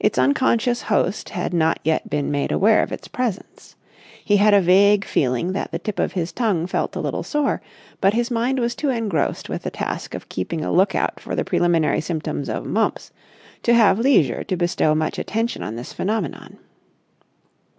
Its unconscious host had not yet been made aware of its presence. He had a vague feeling that the tip of his tongue felt a little sore, but his mind was too engrossed with the task of keeping a look out for the preliminary symptoms of mumps to have leisure to bestow much attention on this phenomenon.